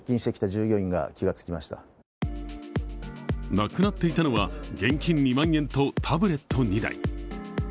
なくなっていたのは、現金２万円とタブレット２台。